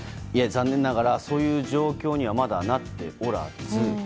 残念ながらそういう状況にはまだなっておらず。